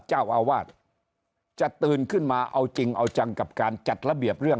เจ้าอาวาสจะตื่นขึ้นมาเอาจริงเอาจังกับการจัดระเบียบเรื่อง